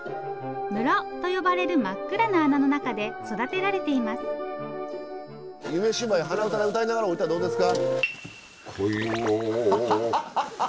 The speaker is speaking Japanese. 室と呼ばれる真っ暗な穴の中で育てられています「夢芝居」鼻歌で歌いながら下りたらどうですか？